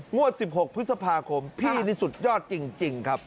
งวด๑๖พฤษภาคมพี่นี่สุดยอดจริงครับ